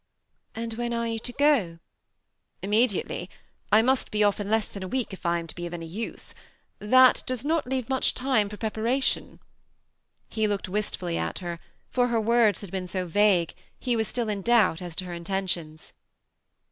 " And when are you to go ?'* ^'Immediately; I must be off in less than a week if I am to be of any use. That does not leave much time for preparation." He looked wistfully at her, for her words had been so vague, he was still in doubt as to her intentions.